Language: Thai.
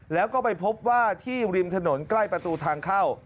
แล้วก็ไปพบว่าที่ริมถนนใกล้ประตูทางเข้า